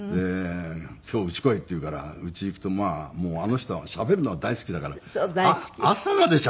「今日うち来い」って言うからうち行くとまあもうあの人はしゃべるのが大好きだから朝までしゃべってるんですよ。